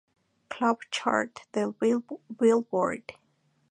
Club Chart del Billboard.